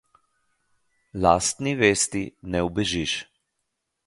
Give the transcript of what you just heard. Lastni vesti ne ubežiš.